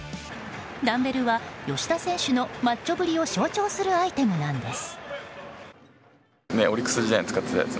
ダンベルは、吉田選手のマッチョぶりを象徴するアイテムなんです。